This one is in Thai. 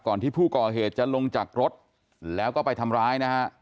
ที่ผู้ก่อเหตุจะลงจากรถแล้วก็ไปทำร้ายนะฮะ